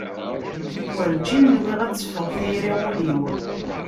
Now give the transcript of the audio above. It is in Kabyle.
Werǧin nwiɣ ad teffeɣ tayri ul-iw.